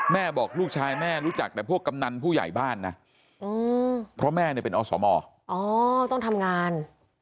แม่บอกลูกชายแม่รู้จักแต่พวกกำนันผู้ใหญ่บ้านนะเพราะแม่เนี่ยเป็นอสมอ๋อต้องทำงาน